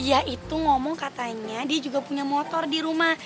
dia itu ngomong katanya dia juga punya motor di rumah